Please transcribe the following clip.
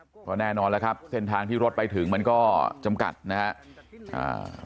ก็แน่นอนแล้วครับเส้นทางที่รถไปถึงมันก็จำกัดนะครับ